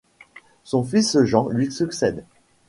Son fils Jean lui succède.